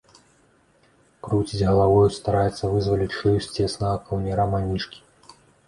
Круціць галавою, стараецца вызваліць шыю з цеснага каўняра манішкі.